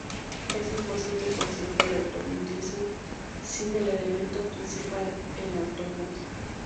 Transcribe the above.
Es imposible concebir el automovilismo sin el elemento principal: el automóvil.